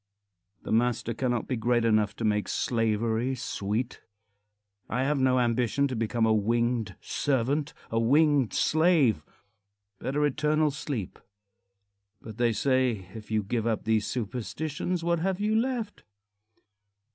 The master cannot be great enough to make slavery sweet. I have no ambition to become a winged servant, a winged slave. Better eternal sleep. But they say, "If you give up these superstitions, what have you left?"